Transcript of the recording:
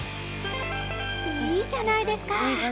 いいじゃないですか！